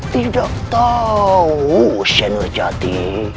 tidak tahu shannurjati